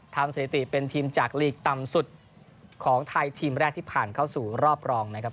สถิติเป็นทีมจากลีกต่ำสุดของไทยทีมแรกที่ผ่านเข้าสู่รอบรองนะครับ